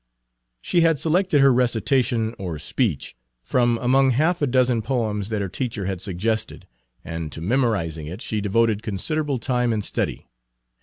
She had selected her recitation, or "speech," from among half a dozen poems that her teacher had suggested, and to memorizing it she devoted considerable time and study.